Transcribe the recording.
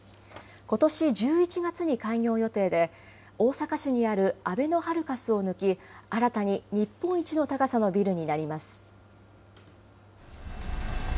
ことし１１月に開業予定で大阪市にあるあべのハルカスを抜き、新たに日本一の高さのビルになります。